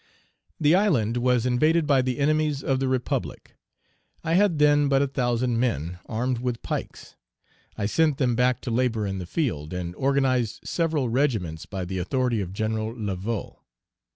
The island was invaded by the enemies of the Republic; I had then but a thousand men, armed with pikes. I sent them back to labor in the field, and organized several regiments, by the authority of Gen. Laveaux.